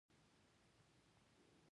د زلزلو زغمل د جوړښت پوهاوی غواړي.